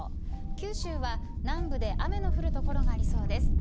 九州は南部で雨の降る所がありそうです。